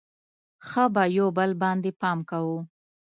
ښه به یو بل باندې پام کوو.